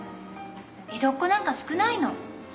江戸っ子なんか少ないの。